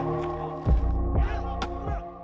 jalan jalan jalan